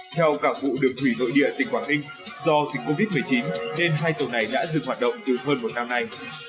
theo cảng vụ đường thủy nội địa tỉnh quảng ninh do dịch covid một mươi chín nên hai tàu này đã dừng hoạt động từ hơn một năm nay